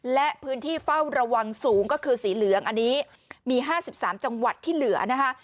และพื้นที่เฝ้าระวังสูงก็คือสีเหลืองอันนี้มี๕๓จังหวัดที่เหลือนะคะ